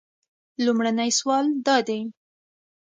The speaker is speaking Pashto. لومړنی سوال دا دی.